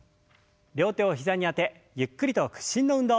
両手を膝にあてゆっくりと屈伸の運動。